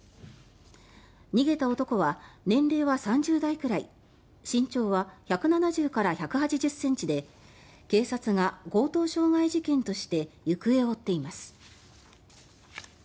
逃げた男は年齢は３０代くらい身長は１７０から１８０ｃｍで警察が強盗傷害事件として行方を追っています。